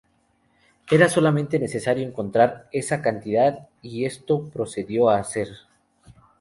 Era solamente necesario encontrar esa cantidad, y esto procedió a hacer.